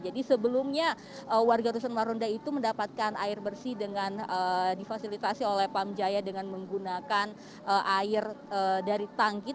jadi sebelumnya warga rusun marunda itu mendapatkan air bersih dengan difasilitasi oleh pamjaya dengan menggunakan air dari tangki